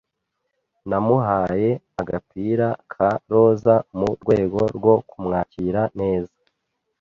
Namuhaye agapira ka roza mu rwego rwo kumwakira neza.